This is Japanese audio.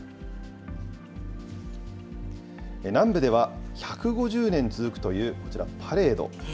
南部では１５０年続くという、こちらパレード。